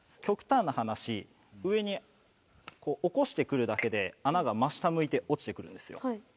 極端な話上に起こして来るだけで穴が真下向いて落ちて来るんですよ。